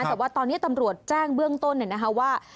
แต่ว่าตอนนี้ตำรวจแจ้งเบื้องต้นเนี่ยนะฮะว่า